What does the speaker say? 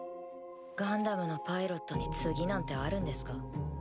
ガンダムのパイロットに次なんてあるんですか？